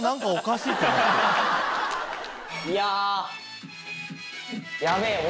いや。